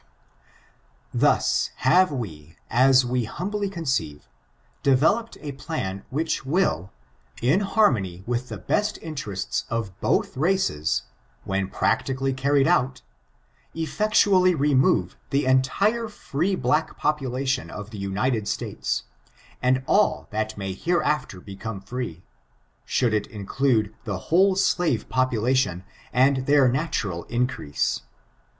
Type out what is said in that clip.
Thus have we, as we humbly conceive, developed a plan which will, tn harmony with the lest interests of both races, when practically carried out, effectually ; J 510 STBICTUEES remove the entire free black population of the United States, and all that may hereafter become free, should it include the whole slave population and their natural increase.